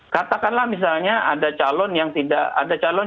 katakanlah misalnya ada calon